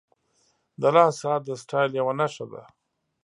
• د لاس ساعت د سټایل یوه نښه ده.